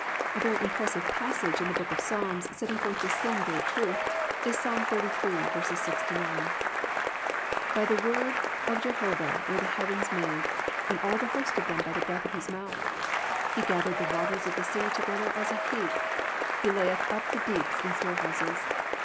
_ A very impressive passage in the book of Psalms setting forth this same great truth is Ps. 33:6 9: +"By the word of Jehovah were the heavens made, and all the host of them by the breath of his mouth. (7) He gathereth the waters of the sea together as a heap: he layeth up the deeps in storehouses.